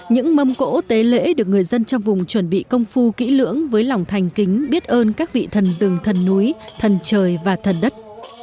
những mâm cỗ tế lễ được người dân trong vùng chuẩn bị công phu kỹ lưỡng với lòng thành kính biết ơn các vị thần rừng thần núi thần trời và thần đất